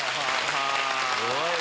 すごいね。